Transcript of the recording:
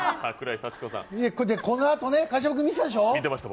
このあとね、川島君見てたでしょう